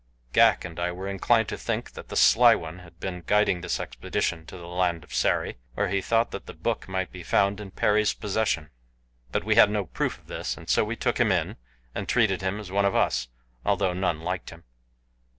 Ghak and I were inclined to think that the Sly One had been guiding this expedition to the land of Sari, where he thought that the book might be found in Perry's possession; but we had no proof of this and so we took him in and treated him as one of us, although none liked him.